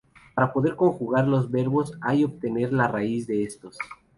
Para poder conjugar los verbos hay obtener la raíz de estos.